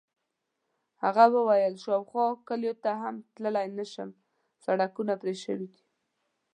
هغه وویل: شاوخوا کلیو ته هم تللی نه شم، سړکونه پرې شوي دي.